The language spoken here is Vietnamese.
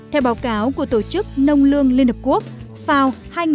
theo báo cáo của tổ chức nông lương liên hợp quốc vào hai nghìn ba